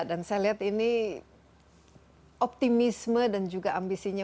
dan saya lihat ini optimisme dan juga ambisinya